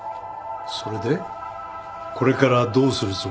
それでこれからどうするつもりだ？